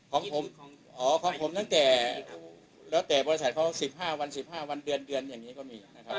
ของผมของผมตั้งแต่แล้วแต่บริษัทเขา๑๕วัน๑๕วันเดือนเดือนอย่างนี้ก็มีนะครับ